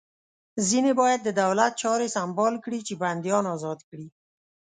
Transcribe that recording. ځینې باید د دولت چارې سمبال کړي چې بندیان ازاد کړي